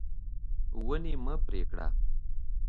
ونې مه پرې کړه.